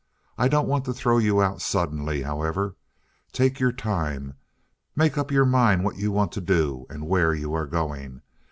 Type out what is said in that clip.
I don't want to throw you out suddenly, however. Take your time. Make up your mind what you want to do and where you are going.